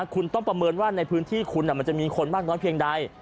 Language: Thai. คุณต้องประเมินว่าในพื้นที่คุณมันจะมีคนมากน้อยเพียงใด